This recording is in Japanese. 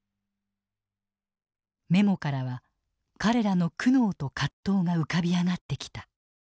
メモからは彼らの苦悩と葛藤が浮かび上がってきた。